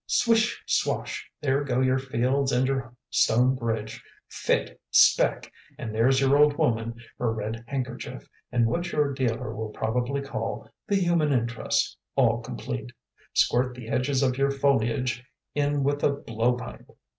"Swish, swash there go your fields and your stone bridge. Fit! Speck! And there's your old woman, her red handkerchief, and what your dealer will probably call 'the human interest,' all complete. Squirt the edges of your foliage in with a blow pipe.